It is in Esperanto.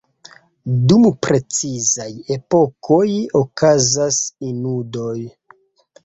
Dum precizaj epokoj okazas inundoj.